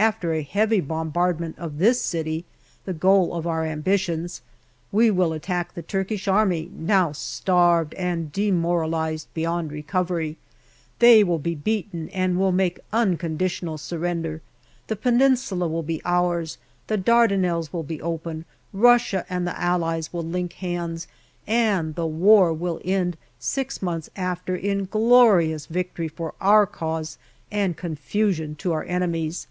After a heavy bombardment of this city, the goal of our ambitions, we will attack the Turkish Army, now starved and demoralized beyond recovery. They will be beaten and will make unconditional surrender ; the Peninsula will be ours, the Dardanelles will be open, Russia and the Allies will link hands, and the war will end six months after in glorious victory for our cause and confusion to our enemies.